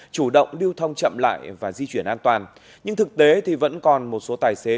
chủ động lưu thông chậm lại và di chuyển an toàn nhưng thực tế thì vẫn còn một số tài xế